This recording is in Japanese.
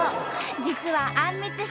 実はあんみつ姫